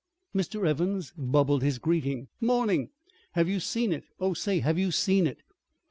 Mr. Evans bubbled his greeting. "Morning! Have you seen it? Oh, say, have you seen it?"